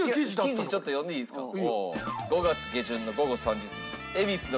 記事ちょっと読んでいいですか？